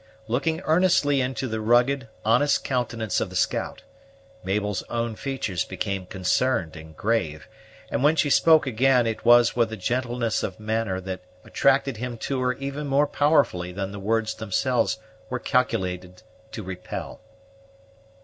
Looking earnestly into the rugged, honest countenance of the scout, Mabel's own features became concerned and grave; and when she spoke again, it was with a gentleness of manner that attracted him to her even more powerfully than the words themselves were calculated to repel.